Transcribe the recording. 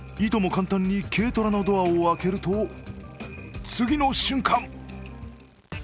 簡単に軽トラのドアを開けると次の瞬間